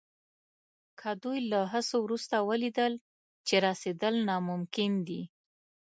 که دوی له هڅو وروسته ولیدل چې رسېدل ناممکن دي.